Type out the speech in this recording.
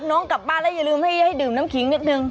น้องกลับบ้านแล้วอย่าลืมให้ดื่มน้ำขิงนิดนึง